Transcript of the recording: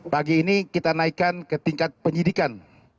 pagi ini kita naikkan ke tingkat penyidikan